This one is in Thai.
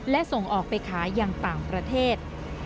และส่งออกไปขายอย่างต่างประเทศ